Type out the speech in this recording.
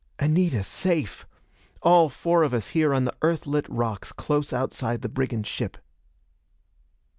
Anita safe! All four of us here on the Earthlit rocks, close outside the brigand ship.